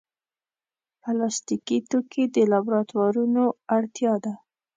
پلاستيکي توکي د لابراتوارونو اړتیا ده.